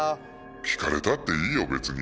聞かれたっていいよ別に。